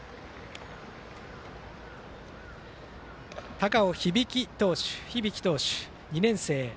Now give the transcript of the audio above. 高尾響投手、２年生。